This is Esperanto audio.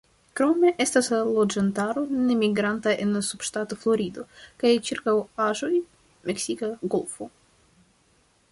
Krome estas loĝantaro nemigranta en subŝtato Florido kaj ĉirkaŭaĵoj -Meksika golfo-.